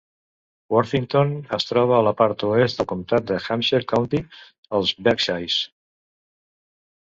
Worthington es troba a la part oest del comtat de Hampshire County, als Berkshires.